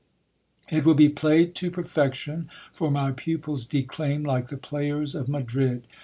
It will be played to per fection, for my pupils declaim like the players of Madrid.